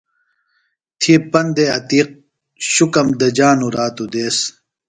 تھی پندے عتیقؔ، شُکم دجانوۡ رات و دیس۔